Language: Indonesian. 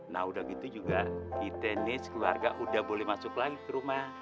nah udah gitu juga kita nis keluarga udah boleh masuk lagi ke rumah